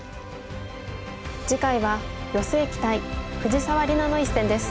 次回は余正麒対藤沢里菜の一戦です。